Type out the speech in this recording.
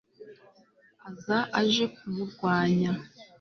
aza aje kumurwanya